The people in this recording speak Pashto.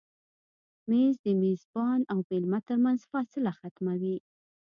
مېز د میزبان او مېلمه تر منځ فاصله ختموي.